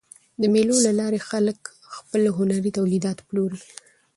د مېلو له لاري خلک خپل هنري تولیدات پلوري.